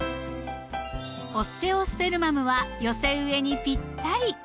オステオスペルマムは寄せ植えにぴったり！